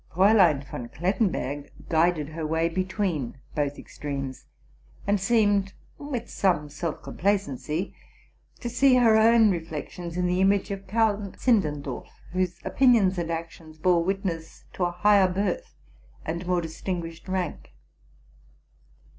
Fraulein von Klettenberg guided her way between both extremes, and seemed, with some self com placeney, to see her own reflections in the image of Count Zindendorf, whose opinions and actions bore witness to a higher birth and_more distinguished rank.